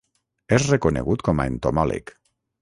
És reconegut com a entomòleg.